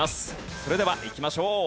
それではいきましょう。